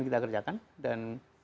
kita kerjakan dan